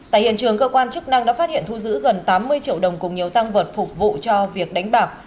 tại hiện trường cơ quan chức năng đã phát hiện thu giữ gần tám mươi triệu đồng cùng nhiều tăng vật phục vụ cho việc đánh bạc